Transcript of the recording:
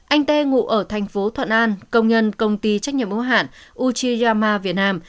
anh tê ngụ ở thành phố thuận an công nhân công ty trách nhiệm hữu hạn uchijima việt nam